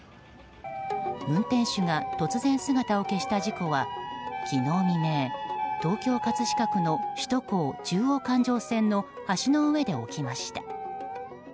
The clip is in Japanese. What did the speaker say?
運転手が突然姿を消した事故は昨日未明東京・葛飾区の首都高中央環状線の橋の上で起きました。